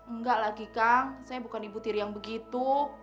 enggak lagi kang saya bukan ibu tiri yang begitu